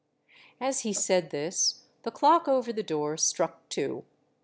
xAs he said this the clock over the door struck two.